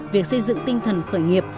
việc xây dựng tinh thần khởi nghiệp